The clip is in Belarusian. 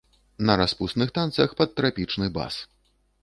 На распусных танцах пад трапічны бас.